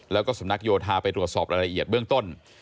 แล้วก็สำนักโยธาไปตรวจสอบรายละเอียดเบื้องต้น